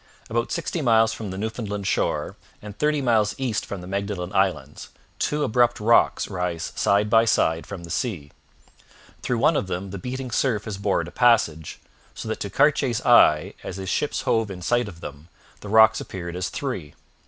About sixty miles from the Newfoundland shore and thirty miles east from the Magdalen Islands, two abrupt rocks rise side by side from the sea; through one of them the beating surf has bored a passage, so that to Cartier's eye, as his ships hove in sight of them, the rocks appeared as three.